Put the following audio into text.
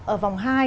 ở vòng hai